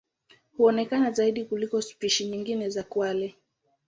Huonekana zaidi kuliko spishi nyingine za kwale.